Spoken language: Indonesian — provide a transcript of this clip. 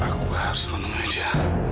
aku harus menemuinya